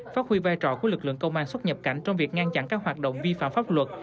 phát huy vai trò của lực lượng công an xuất nhập cảnh trong việc ngăn chặn các hoạt động vi phạm pháp luật